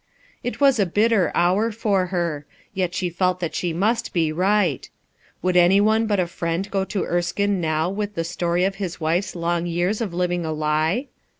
It was a bitter hour for her. Yet she felt that she must be right. Would any one but a fiend go to Erskine now with the story of his wife's long years of living a lie